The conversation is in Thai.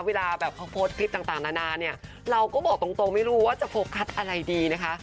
เวลาพอดคลิปต่างนานานเราก็บอกตรงไม่รู้ว่าจะโฟกัสอะไรดีนะคะ